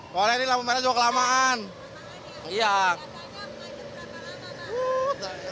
soalnya ini lalu lalu juga kelamaan